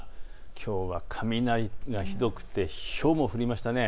きょうは雷がひどくてひょうも降りましたね。